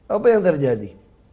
apa yang terjadi